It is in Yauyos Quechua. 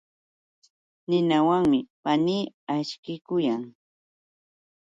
Ninawanmi panii akchikuyan.